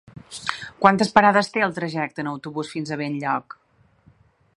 Quantes parades té el trajecte en autobús fins a Benlloc?